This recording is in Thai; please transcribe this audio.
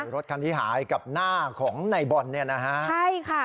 รถคันที่หายกับหน้าของในบอลเนี่ยนะฮะใช่ค่ะ